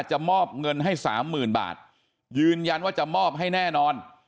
มอบเงินให้สามหมื่นบาทยืนยันว่าจะมอบให้แน่นอน